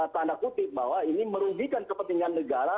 tanda kutip bahwa ini merugikan kepentingan negara